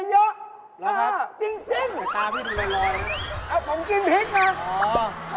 แล้วครับจริงครับผมกินพริกนะโอ้